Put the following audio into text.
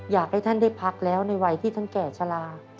อยากให้ท่านได้พักแล้วในวัยที่ท่านแก่ชะลา